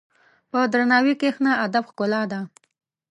په درناوي کښېنه، ادب ښکلا ده.